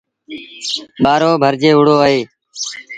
ٻآرو ڀرجي وُهڙو اهي